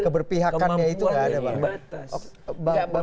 keberpihakannya itu tidak ada